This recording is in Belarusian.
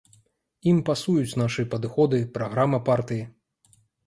Ім пасуюць нашы падыходы, праграма партыі.